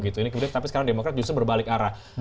tapi sekarang demokrat justru berbalik arah